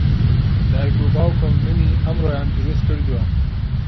دایک و باوکم منی ئەمڕۆیان دروست کردووە.